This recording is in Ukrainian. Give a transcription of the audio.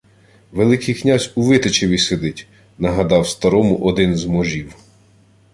— Великий князь у Витичеві сидить, — нагадав старому один з можів.